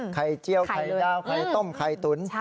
เจียวไข่ดาวไข่ต้มไข่ตุ๋น